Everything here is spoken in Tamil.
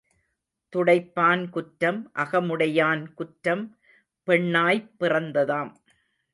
துடைப்பான் குற்றம், அகமுடையான் குற்றம் பெண்ணாய்ப் பிறந்ததாம்.